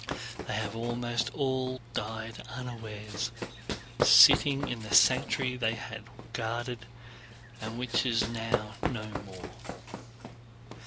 They have almost all died unawares, sitting in the sanctuary they had guarded and which is now no more.